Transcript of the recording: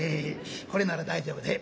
これなら大丈夫で。